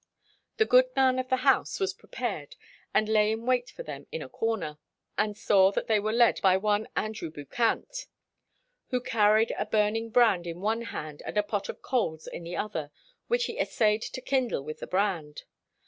The "good man of the house" was prepared and lay in wait for them "in a corner," and saw that they were led by one Andrew Bucquinte, who carried a burning brand in one hand and a pot of coals in the other, which he essayed to kindle with the brand.